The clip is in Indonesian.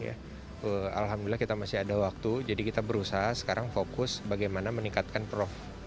alhamdulillah kita masih ada waktu jadi kita berusaha sekarang fokus bagaimana meningkatkan prof